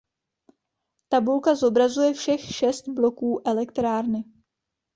Tabulka zobrazuje všech šest bloků elektrárny.